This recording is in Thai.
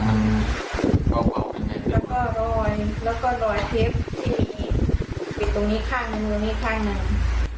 แล้วก็รอยเทปที่มีปิดตรงนี้ข้างในมือนี้ข้างหนึ่ง